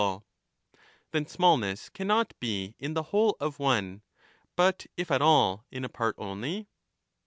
others: Then smallness cannot be in the whole of one, but, if at all, in a part only